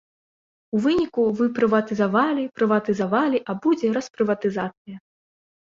У выніку вы прыватызавалі, прыватызавалі, а будзе распрыватызацыя.